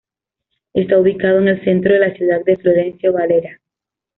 Está ubicado en el Centro de la Ciudad de Florencio Varela.